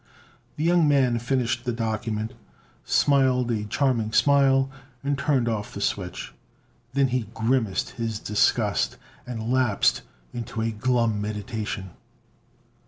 The young man finished the document, smiled a charming smile, and turned off the switch. Then he grimaced his disgust and lapsed into a glum meditation.